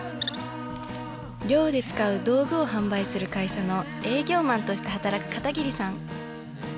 漁で使う道具を販売する会社の営業マンとして働く片桐さん。